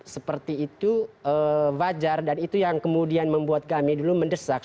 seperti itu wajar dan itu yang kemudian membuat kami dulu mendesak